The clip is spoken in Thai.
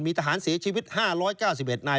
ทหารเสียชีวิต๕๙๑นาย